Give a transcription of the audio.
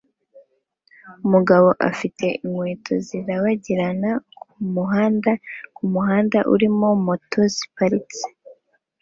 Umugabo afite inkweto zirabagirana kumuhanda kumuhanda urimo moto ziparitse